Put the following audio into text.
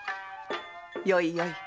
よいよい。